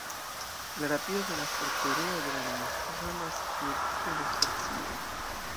La rapido de la forpereo de la lingvo samas kiel tiu de specioj.